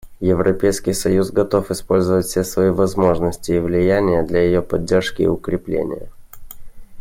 Европейский союз готов использовать все свои возможности и влияние для ее поддержки и укрепления.